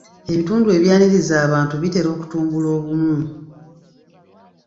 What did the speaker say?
Ebitundu ebyaniriza abantu bitera okutumbula obumu.